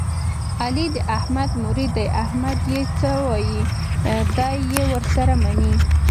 علي د احمد مرید دی، احمد چې څه وایي دی یې ور سره مني.